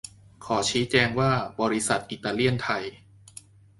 ขอชี้แจงว่า บริษัทอิตาเลียนไทย